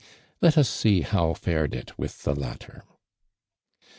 Let us see now how fared it with the latter.